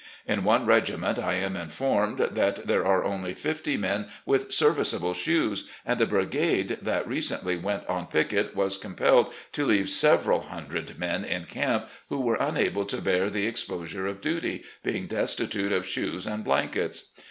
In one regiment I am informed that there are only fifty men with serviceable shoes, and a brigade that recently went on picket was compelled to leave several hundred men in camp, who were unable to bear the ex posme of duty, being destitute of shoes and blankets.